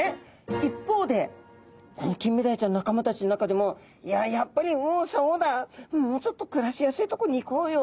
一方でこのキンメダイちゃんの仲間たちの中でもいややっぱり右往左往だもうちょっと暮らしやすいとこに行こうよって。